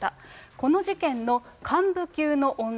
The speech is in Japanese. この事件の幹部級の女